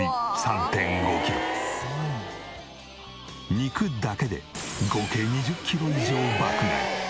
肉だけで合計２０キロ以上爆買い！